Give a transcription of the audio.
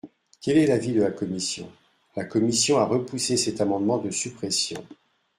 Quel est l’avis de la commission ? La commission a repoussé cet amendement de suppression.